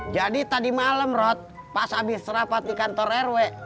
jadi tadi malem rod pas abis rapat di kantor rw